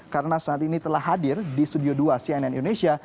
karena saat ini telah hadir di studio dua cnn indonesia